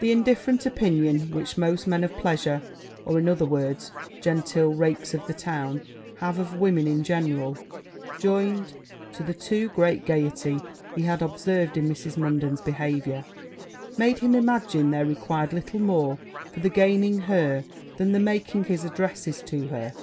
The indifferent opinion which most men of pleasure, or, in other words, genteel rakes of the town, have of women in general, joined to the too great gaiety he had observed in Mrs. Munden's behaviour, made him imagine there required little more for the gaining her than the making his addresses to her.